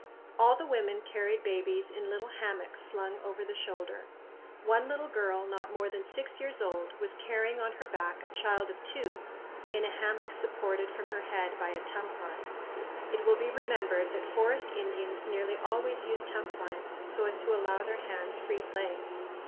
All the women carried babies in little hammocks slung over the shoulder. One little girl, not more than six years old, was carrying on her back a child of two, in a hammock supported from her head by a tump line. It will be remembered that forest Indians nearly always use tump lines so as to allow their hands free play.